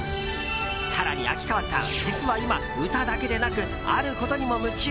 更に秋川さん実は今、歌だけでなくあることにも夢中！